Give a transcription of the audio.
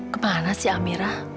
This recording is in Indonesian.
kemana sih amira